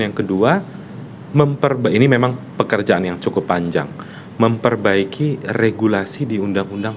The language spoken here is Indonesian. yang kedua memperbaiki memang pekerjaan yang cukup panjang memperbaiki regulasi di undang undang